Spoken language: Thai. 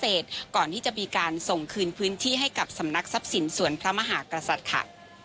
เอียดก่อนที่จะมีการส่งคืนพื้นที่ให้กับสำนักทรัพย์สินศูนย์ประมาหากศัษน์ค่ะ